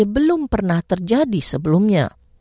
belum pernah terjadi sebelumnya